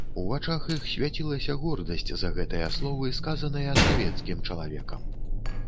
У вачах іх свяцілася гордасць за гэтыя словы, сказаныя савецкім чалавекам.